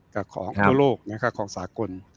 กับของทั่วโลกของสากล